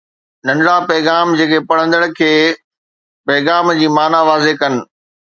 ننڍڙا پيغام جيڪي پڙهندڙ کي پيغام جي معنيٰ واضح ڪن